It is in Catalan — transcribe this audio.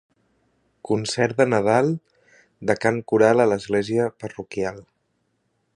Concert de Nadal de cant coral a l'església parroquial.